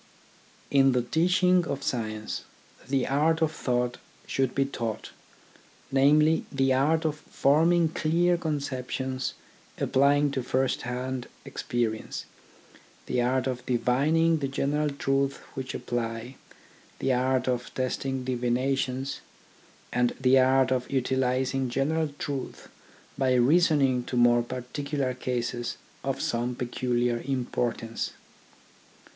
In the teaching of science, the art of thought should be taught : namely, the art of forming clear conceptions applying to first hand experi ence, the art of divining the general truths which apply, the art of testing divinations, and the art of utilising general truths by reasoning to more particular cases of some peculiar import ance.